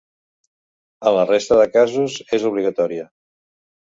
En la resta de casos, és obligatòria.